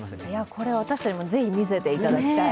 これ、私たちもぜひ見せていただきたい。